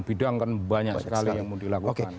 bidang kan banyak sekali yang mau dilakukan